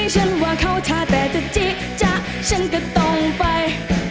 ฉันว่าเขาถ้าแต่จะจิจะฉันก็ต้องไป